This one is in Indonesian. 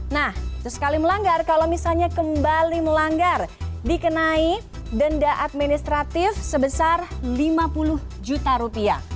nah itu sekali melanggar kalau misalnya kembali melanggar dikenai denda administratif sebesar lima puluh juta rupiah